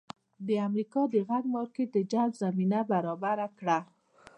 د امریکا د کار مارکېټ د جذب زمینه برابره کړه.